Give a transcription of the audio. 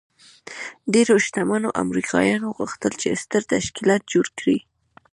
ډېرو شتمنو امریکایانو غوښتل چې ستر تشکیلات جوړ کړي